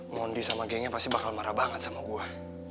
mondi sama gengnya pasti bakal marah banget sama gue